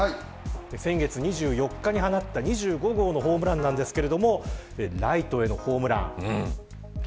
先月２４日に放った２５号のホームランなんですがライトへのホームラン。